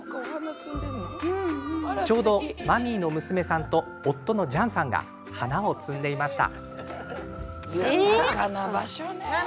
ちょうどマミーの娘さんと夫のジャンさんが花を摘んでいました。